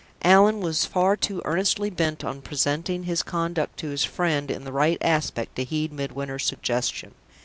Allan was far too earnestly bent on presenting his conduct to his friend in the right aspect to heed Midwinter's suggestion.